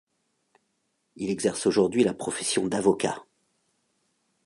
Il exerce aujourd'hui la profession d'avocat.